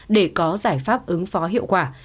để có giải pháp ứng phó hiệu quả